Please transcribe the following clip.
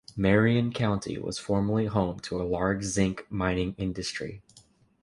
Marion County was formerly home to a large zinc mining industry.